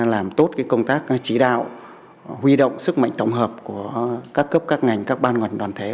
làm tốt công tác chỉ đạo huy động sức mạnh tổng hợp của các cấp các ngành các ban ngành đoàn thể